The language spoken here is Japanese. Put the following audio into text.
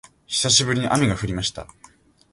久しぶりに雨が降りました